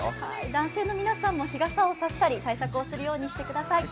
男性の皆さんも日傘を差したり対策をしてください。